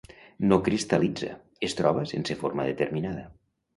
No cristal·litza, es troba sense forma determinada.